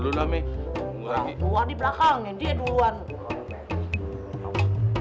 dulu lagi berakal nih dia duluan